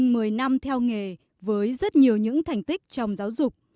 hơn một mươi năm theo nghề với rất nhiều những thành tích trong giáo dục